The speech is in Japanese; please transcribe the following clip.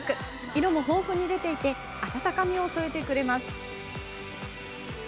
色も豊富に出ていて温かみを添えてくれます。